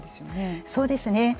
そうですね。